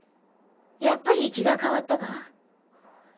やっぱり気が変わったか？